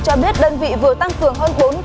cho biết đơn vị vừa tăng cường hơn bốn trăm linh